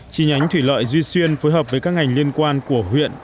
chi nhánh thủy lợi duy xuyên phối hợp với các ngành liên quan của huyện